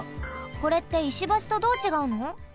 これって石橋とどうちがうの？